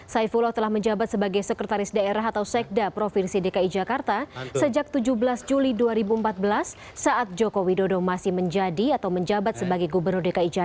saifullah telah menjabat sebagai sekretaris daerah atau sekda provinsi dki jakarta sejak tujuh belas juli dua ribu empat belas saat joko widodo masih menjadi atau menjabat sebagai gubernur dki jakarta